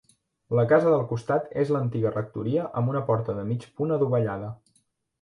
La casa del costat és l'antiga rectoria amb una porta de mig punt adovellada.